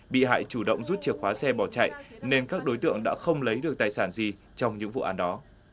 bị hại chủ động rút chìa khóa xe bỏ chạy nên các đối tượng đã không lấy được tài sản gì trong những vụ án đó